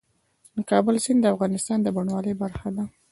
د کابل سیند د افغانستان د بڼوالۍ برخه ده.